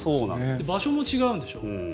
場所も違うんでしょ？